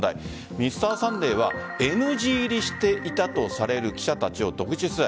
「Ｍｒ．サンデー」はＮＧ入りしていたとされる記者たちを独自取材。